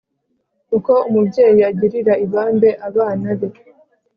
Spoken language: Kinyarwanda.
uko umubyeyi agirira ibambe abana be